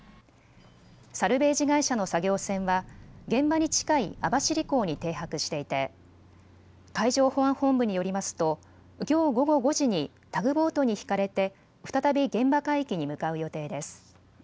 サルベージ会社の作業船は現場に近い網走港に停泊していて海上保安本部によりますときょう午後５時にタグボートに引かれて再び現場海域に向かう予定です。